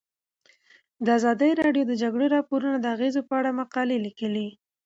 ازادي راډیو د د جګړې راپورونه د اغیزو په اړه مقالو لیکلي.